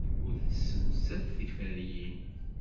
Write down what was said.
Ur tessemsad tiferyin.